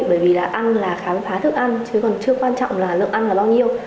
bởi vì là ăn là khám phá thức ăn chứ còn chưa quan trọng là lượng ăn là bao nhiêu